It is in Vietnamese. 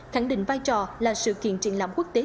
khẳng định vai trò là sự kiện triển lãm quốc tế